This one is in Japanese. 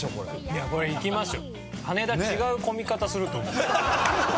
いやこれ行きますよ。